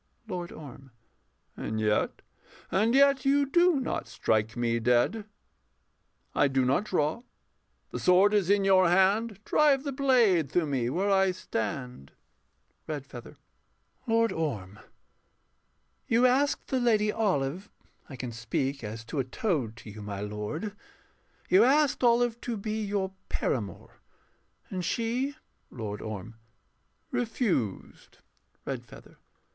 LORD ORM. And yet and yet you do not strike me dead. I do not draw: the sword is in your hand Drive the blade through me where I stand. REDFEATHER. Lord Orm, You asked the Lady Olive (I can speak As to a toad to you, my lord) you asked Olive to be your paramour: and she LORD ORM. Refused. REDFEATHER.